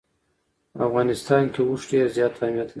په افغانستان کې اوښ ډېر زیات اهمیت لري.